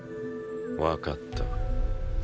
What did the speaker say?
わかった。